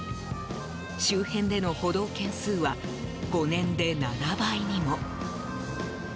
周辺での補導件数は５年で７倍にも。